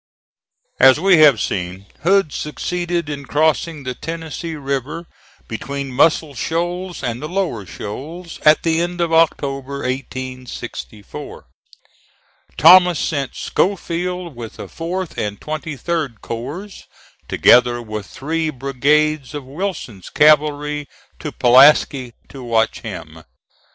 As we have seen, Hood succeeded in crossing the Tennessee River between Muscle Shoals and the lower shoals at the end of October, 1864. Thomas sent Schofield with the 4th and 23d corps, together with three brigades of Wilson's cavalry to Pulaski to watch him.